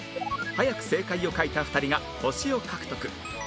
早く正解を書いた２人が星を獲得